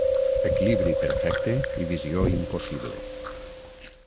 Equilibri perfecte i visió impossible.